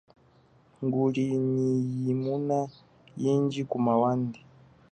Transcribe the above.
Nguli nyi yimuna yindji kuma wande.